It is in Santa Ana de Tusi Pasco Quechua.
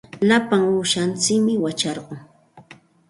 Lapa uushantsikmi wacharqun.